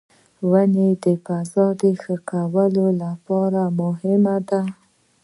• ونه د فضا ښه کولو لپاره مهمه ده.